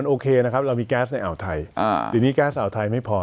โอเคนะครับเรามีแก๊สในอ่าวไทยเดี๋ยวนี้แก๊สอ่าวไทยไม่พอ